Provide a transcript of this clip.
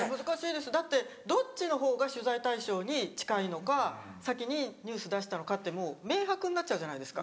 だってどっちの方が取材対象に近いのか先にニュース出したのかってもう明白になっちゃうじゃないですか。